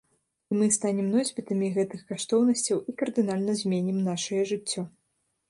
І мы станем носьбітамі гэтых каштоўнасцяў і кардынальна зменім нашае жыццё.